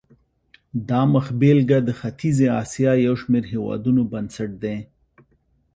دا مخبېلګه د ختیځې اسیا یو شمېر هېوادونو بنسټ دی.